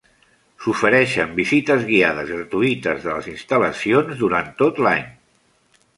S'ofereixen visites guiades gratuïtes de les instal·lacions durant tot l'any.